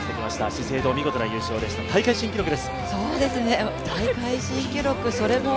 資生堂、見事な優勝でした大会新記録です。